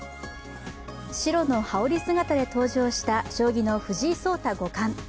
白の羽織り姿で登場した将棋の藤井聡太五冠。